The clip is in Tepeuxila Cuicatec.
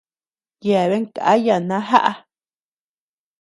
Yeabean káya najaá.